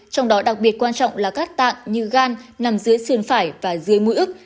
trong đó đặc biệt quan trọng là các tạng như gan nằm dưới sườn phải và dưới mũi ức